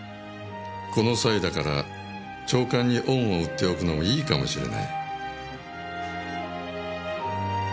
この際だから長官に恩を売っておくのもいいかもしれない。